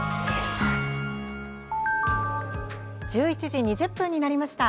１１時２０分になりました。